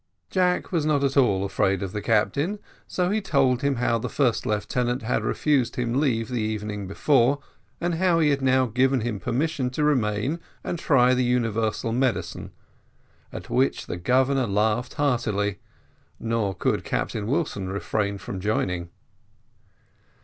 Jack was not at all afraid of the captain, so he told him how the first lieutenant had refused him leave the evening before, and how he had now given him permission to remain, and try the universal medicine, at which the Governor laughed heartily, nor could Captain Wilson refrain from joining.